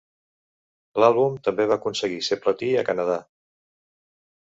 L"àlbum també va aconseguir ser platí a Canadà.